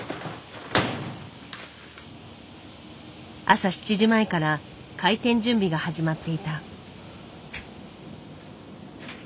朝７時前から開店準備が始まっていた。